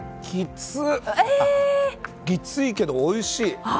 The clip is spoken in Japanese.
きついけどおいしい。